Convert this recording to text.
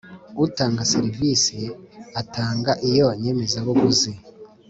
utanga serivisi atanga Iyo nyemezabuguzi